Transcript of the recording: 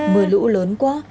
mưa lũ lớn quá